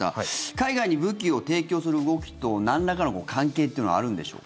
海外に武器を提供する動きとなんらかの関係っていうのはあるんでしょうか？